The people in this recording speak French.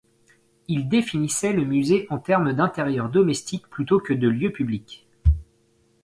Il définissait le musée en termes d'intérieur domestique plutôt que de lieu public.